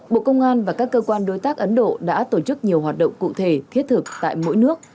bộ công an và các cơ quan đối tác ấn độ đã tổ chức nhiều hoạt động cụ thể thiết thực tại mỗi nước